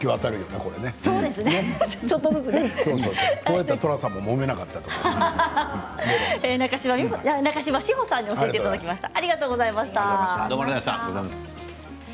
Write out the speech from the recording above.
なかしましほさんに教えていただきました。